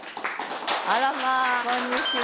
あらまあこんにちは。